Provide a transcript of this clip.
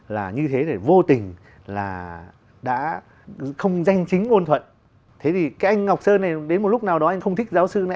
là như thế để vô tình là đã không danh chính ngôn thuận thế thì cái anh ngọc sơn này đến một lúc nào đó anh không thích giáo sư này